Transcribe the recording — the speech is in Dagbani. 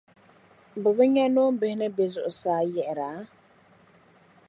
Bɛ bi nya noombihi ni be zuɣusaa n-yiɣira?